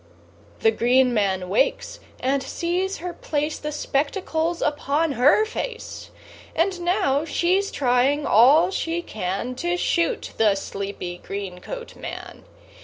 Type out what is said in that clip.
The green man wakes and sees her place The spectacles upon her face; And now she's trying all she can To shoot the sleepy, green coat man.